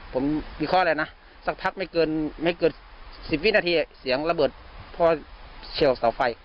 ผมมีข้อแหละนะสักทักไม่เกินไม่เกินสิบสิบนาทีเสียงระเบิดพอเชียวสาวไฟ